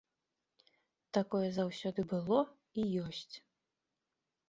Такое заўсёды было і ёсць.